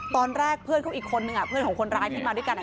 ตอนแรกเพื่อนเขาอีกคนนึงเพื่อนของคนร้ายที่มาด้วยกัน